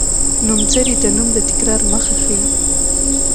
نومځری د نوم د تکرار مخه ښيي.